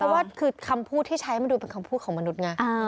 ว่าคือคำพูดที่ใช้มันดูเป็นคำพูดของมนุษย์ไง